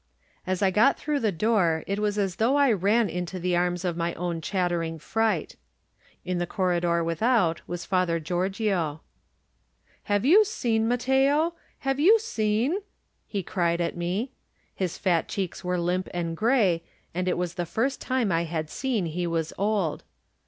As I got through the door it was as though I ran into the arms of my own chattering fright. In the corridor without was Father Giorgio. "Have you seen, Matteo? Have you seen?" he cried at me. His fat cheeks were limp and gray, and it was the first time I had seen he was old.